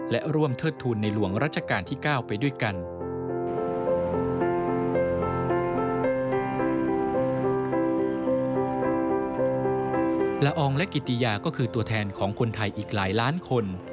ลาองและกิตยาก็คือตัวแทนของคนไทยอีกหลายล้านคน